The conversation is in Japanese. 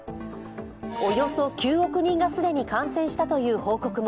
およそ９億人が既に感染したという報告も。